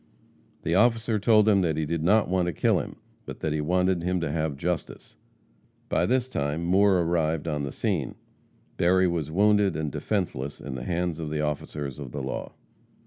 The officer told him that he did not want to kill him, but that he wanted him to have justice. By this time Moore arrived on the scene. Berry was wounded and defenseless in the hands of the officers of the law.